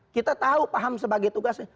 kita tahu paham sebagai tugasnya